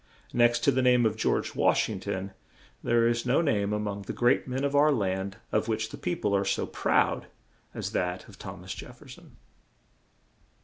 Next to the name of George Wash ing ton, there is no name a mong the great men of our land, of which the peo ple are so proud, as that of Thom as Jef fer son.